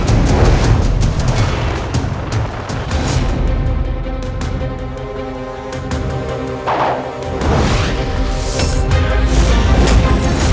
aku ingin mencari putraku